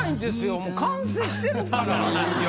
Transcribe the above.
もう完成してるから人形が。